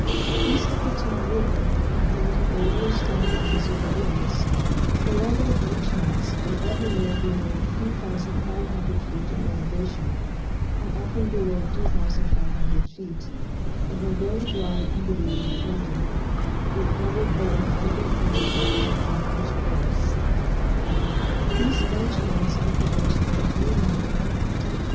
Kast of the Tongue River and north of the Yellowstone and Missouri Rivers, the level bench lands are everywhere below 3,500 feet in elevation, and often below 2,500 feet, and are very dry and devoid of water, though covered by an abundant growth of fine bunch grass. 'These bench lands are traversed by a few nar row, deep.